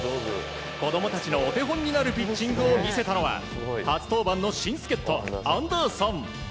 子供たちのお手本になるピッチングを見せたのは初登板の新助っ人アンダーソン。